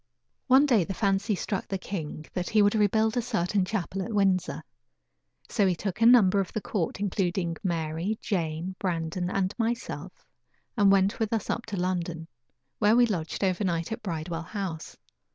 One day the fancy struck the king that he would rebuild a certain chapel at Windsor; so he took a number of the court, including Mary, Jane, Brandon and myself, and went with us up to London, where we lodged over night at Bridewell House.